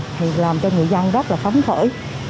thì làm cho người dân rất là phán khởi